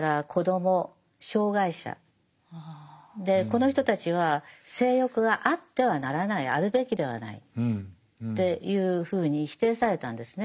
でこの人たちは性欲があってはならないあるべきではないっていうふうに否定されたんですね。